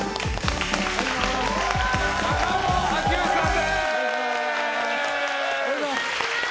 中尾明慶さんです。